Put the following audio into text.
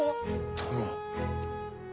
殿。